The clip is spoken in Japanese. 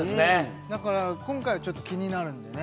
だから今回はちょっと気になるんでね